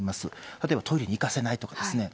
例えばトイレに行かせないですとかね。